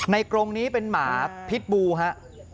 กรงนี้เป็นหมาพิษบูฮะ